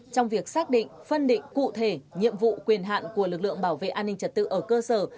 trong việc xác định phân định cụ thể nhiệm vụ quyền hạn của lực lượng bảo vệ an ninh trật tự ở cơ sở